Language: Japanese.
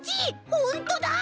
ほんとだ！